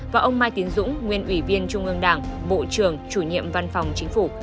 và ông mai tiến dũng nguyên ủy viên trung ương đảng bộ trưởng chủ nhiệm văn phòng chính phủ